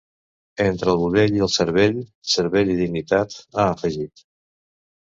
Entre el budell i el cervell, cervell i dignitat, ha afegit.